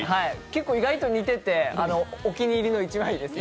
結構、意外と似ててお気に入りの一枚です。